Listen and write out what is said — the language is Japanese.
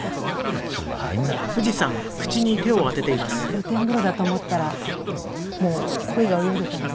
露天風呂だと思ったらもうコイが泳いでいたんです。